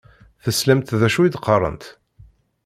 Teslamt d acu i d-qqaṛent?